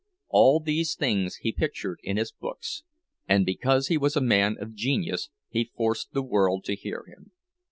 All these things he pictured in his books, and because he was a man of genius he forced the world to hear him.